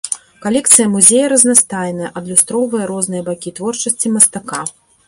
Калекцыя музея разнастайная, адлюстроўвае розныя бакі творчасці мастака.